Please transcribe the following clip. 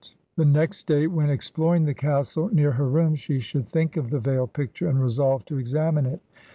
RADCLIFFE the next day, when exploring the castle near her room, she should think of the veiled picture, and " resolve to examine it.